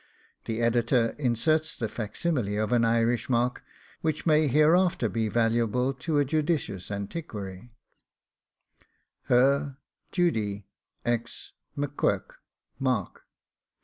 The Editor inserts the facsimile of an Irish mark, which may hereafter be valuable to a judicious antiquary Her Judy X M'Quirk, Mark.